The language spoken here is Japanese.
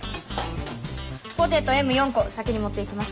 ポテトＭ４個先に持って行きます。